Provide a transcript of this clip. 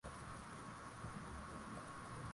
Dunia inaadhimisha uhuru wa vyombo vya habari